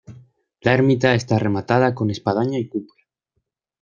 La Ermita está rematada con espadaña y cúpula.